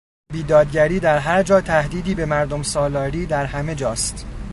بیدادگری در هر جا تهدیدی به مردم سالاری در همهجاست.